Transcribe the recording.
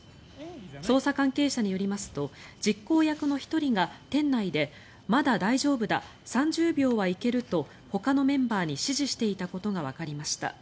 捜査関係者によりますと実行役の１人が店内でまだ大丈夫だ３０秒はいけるとほかのメンバーに指示していたことがわかりました。